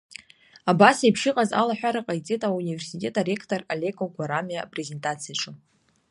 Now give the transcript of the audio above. Абас еиԥш иҟаз алаҳәара ҟаиҵеит ауниверситет аректор Алеко Гәарамиа апрезентациаҿы.